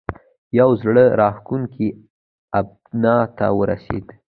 یوه زړه راښکونې ابنا ته ورسېد.